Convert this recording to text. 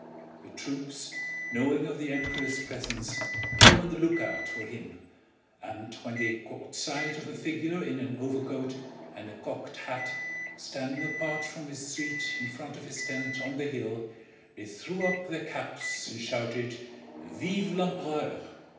The troops, knowing of the Emperor's presence, were on the lookout for him, and when they caught sight of a figure in an overcoat and a cocked hat standing apart from his suite in front of his tent on the hill, they threw up their caps and shouted: "Vive l'Empereur!"